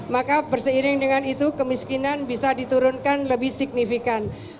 maka berseiring dengan itu kemiskinan bisa diturunkan lebih signifikan